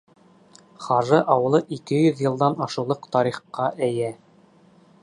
Хажы ауылы ике йөҙ йылдан ашыулыҡ тарихҡа эйә.